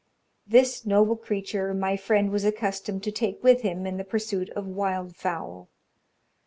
This noble creature my friend was accustomed to take with him in the pursuit of wild fowl.